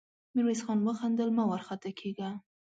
ميرويس خان وخندل: مه وارخطا کېږه!